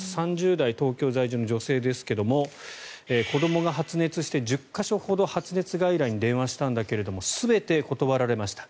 ３０代、東京在住の女性ですが子どもが発熱して１０か所ほど発熱外来に電話をしたんだけれど全て断られました。